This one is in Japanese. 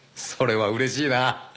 それは嬉しいな。